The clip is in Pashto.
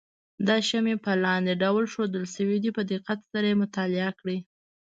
دا شمې په لاندې ډول ښودل شوې ده په دقت سره یې مطالعه کړئ.